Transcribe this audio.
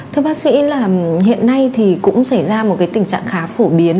thưa bác sĩ hiện nay cũng xảy ra một tình trạng khá phổ biến